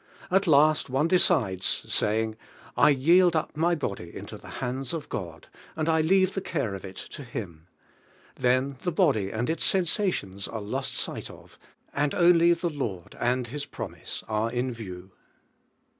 At last one decides, saying, 1 yield up my body into the bands of God; and I leave the care of i't to Him. Then (he body and its sensations are lost sight of, and only the Lord and His promise are in view.